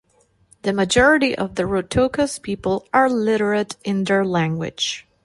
The majority of the Rotokas people are literate in their language.